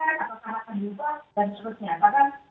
terutama mereka mereka yang punya persen yang berpengalaman minyak goreng